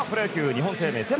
日本生命セ